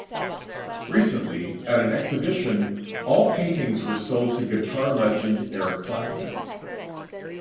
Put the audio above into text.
Recently, at an exhibition, all paintings were sold to guitar legend Eric Clapton.